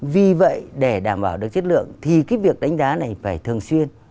vì vậy để đảm bảo được chất lượng thì cái việc đánh giá này phải thường xuyên